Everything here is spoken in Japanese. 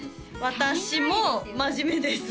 私も真面目です